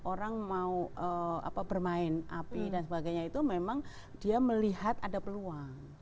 orang mau bermain api dan sebagainya itu memang dia melihat ada peluang